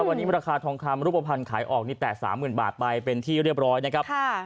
วันนี้ราคาทองคำรูปภัณฑ์ขายออกนี่แตะ๓๐๐๐บาทไปเป็นที่เรียบร้อยนะครับ